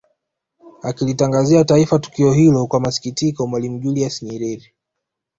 Akilitangazia Taifa tukio hilo kwa masikitiko Mwalimu Julius Nyerere